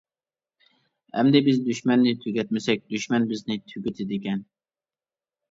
ئەمدى بىز دۈشمەننى تۈگەتمىسەك، دۈشمەن بىزنى تۈگىتىدىكەن.